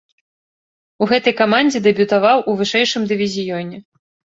У гэтай камандзе дэбютаваў у вышэйшым дывізіёне.